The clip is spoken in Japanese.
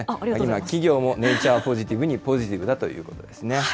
今、企業もネイチャーポジティブにポジティブだということですね。